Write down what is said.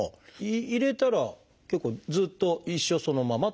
入れたら結構ずっと一生そのままっていうことですか？